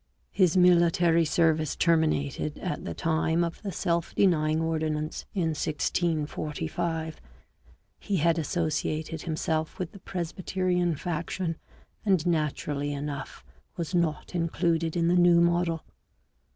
His military service terminated at the time of the Self denying Ordinance in 1645; he had associated himself with the Presby terian faction, and naturally enough was not included in the New Model.